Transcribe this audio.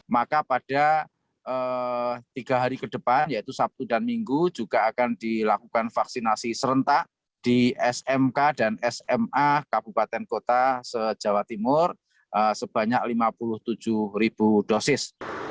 maka pada tiga hari ke depan yaitu sabtu dan minggu juga akan dilakukan vaksinasi serentak di smk dan sma kabupaten kota se jawa timur sebanyak lima puluh tujuh ribu dosis